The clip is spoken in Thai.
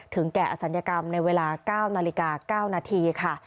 แก่อศัลยกรรมในเวลา๙นาฬิกา๙นาทีค่ะ